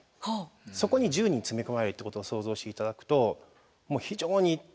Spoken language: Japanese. そこに１０人詰め込まれるってことを想像して頂くともう非常に高い密度。